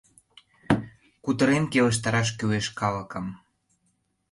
Кутырен келыштараш кӱлеш калыкым!